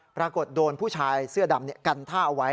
ปรากฏโดนผู้ชายเสื้อดำกันท่าเอาไว้